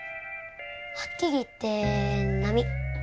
はっきり言って並。